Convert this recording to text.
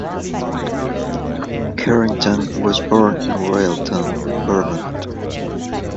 Carrington was born in Royalton, Vermont.